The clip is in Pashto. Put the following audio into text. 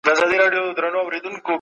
د بې وزلو حق مه خورئ.